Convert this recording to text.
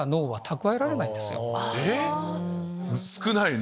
少ないね。